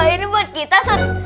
ini buat kita sun